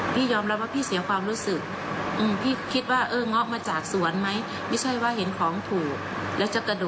พี่ยอมรับว่าพี่เสียความรู้สึกพี่คิดว่าเออเงาะมาจากสวนไหมไม่ใช่ว่าเห็นของถูกแล้วจะกระโดด